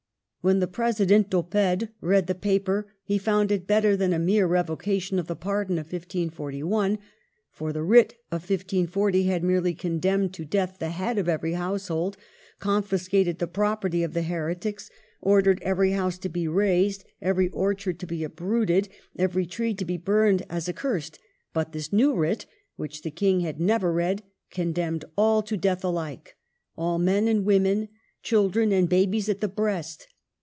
When the President, D'Oppede, read the paper, he found it better than a mere revoca tion of the pardon of 1541; for the writ of 1540 had merely condemned to death the head of every household, confiscated the property of the heretics, ordered every house to be razed, every orchard to be uprooted, every tree to be burned as accursed ; but this new writ, which the King had never read, condemned all to death alike, — all men and women, children and babies at the breast.